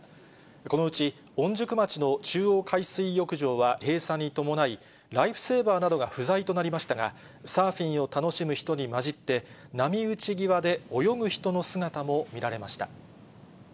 このうち御宿町の中央海水浴場は、閉鎖に伴い、ライフセーバーなどが不在となりましたが、サーフィンを楽しむ人に混じって、波打ち際で泳ぐ人の姿も見られました。